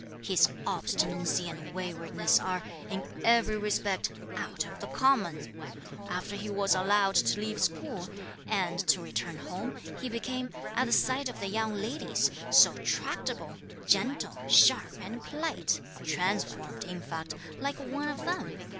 His obstinacy and waywardness are, in every respect, out of the common. After he was allowed to leave school, and to return home, he became, at the sight of the young ladies, so tractable, gentle, sharp, and polite, transformed, in fact, like one of them.